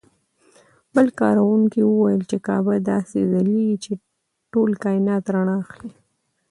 بل کاروونکي وویل چې کعبه داسې ځلېږي چې ټول کاینات رڼا اخلي.